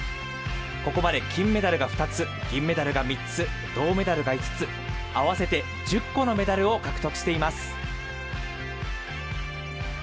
ここまで金メダルが２つ銀メダルが３つ、銅メダルが５つ合わせて１０個のメダルを獲得しています。